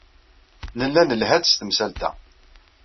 Nella nelha-d s temsalt-a.